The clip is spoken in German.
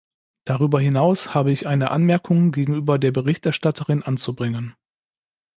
Darüber hinaus habe ich eine Anmerkung gegenüber der Berichterstatterin anzubringen.